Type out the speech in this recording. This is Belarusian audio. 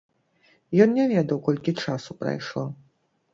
Ён не ведаў, колькі часу прайшло.